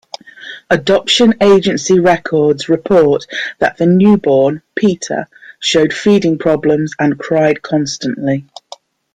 Adoption agency records report that the newborn, Peter, showed feeding problems and cried constantly.